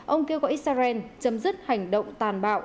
ông kêu gọi israel chấm dứt hành động tàn bạo